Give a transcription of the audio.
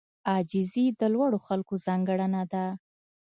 عاجزي د لوړو خلکو ځانګړنه ده.